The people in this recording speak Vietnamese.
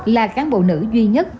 là cán bộ nữ duy nhất